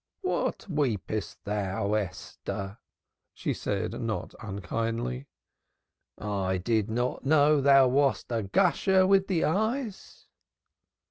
"What weepest thou, Esther?" she said not unkindly. "I did not know thou wast a gusher with the eyes."